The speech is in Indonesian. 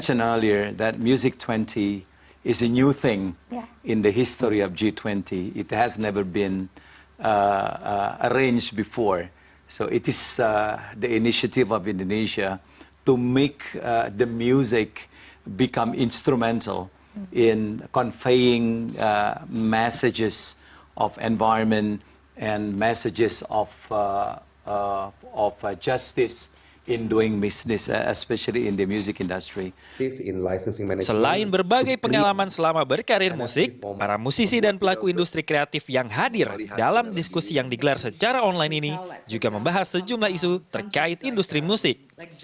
selain berbagai pengalaman selama berkarir musik para musisi dan pelaku industri kreatif yang hadir dalam diskusi yang digelar secara online ini juga membahas sejumlah isu terkait industri musik